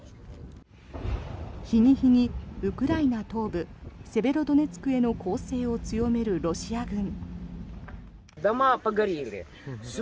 日に日にウクライナ東部セベロドネツクへの攻勢を強めるロシア軍。